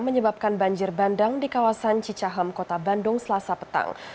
menyebabkan banjir bandang di kawasan cicahem kota bandung selasa petang